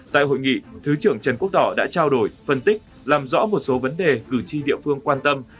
tại hội nghị thứ trưởng trần quốc tỏ đã trao đổi phân tích làm rõ một số vấn đề cử tri địa phương quan tâm